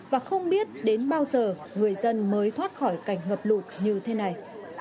và không biết đến bao giờ người dân mới thoát khỏi cảnh ngập lụt như thế này